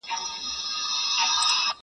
زه مسافر پر لاره ځم سلګۍ وهمه٫